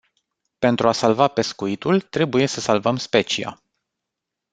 Pentru a salva pescuitul, trebuie să salvăm specia.